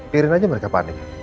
kirain aja mereka panik